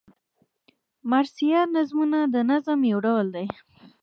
مرثیه نظمونه د نظم یو ډول دﺉ.